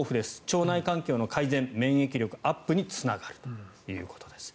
腸内環境の改善、免疫力アップにつながるということです。